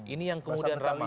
ini yang kemudian ramah